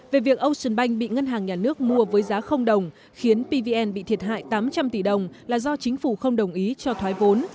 về việc ocean bank bị ngân hàng nhà nước mua với giá đồng khiến pvn bị thiệt hại tám trăm linh tỷ đồng là do chính phủ không đồng ý cho thoái vốn